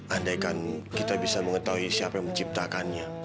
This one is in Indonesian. andaikan kita bisa mengetahui siapa yang menciptakannya